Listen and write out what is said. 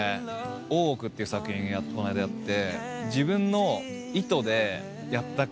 『大奥』っていう作品この間やって。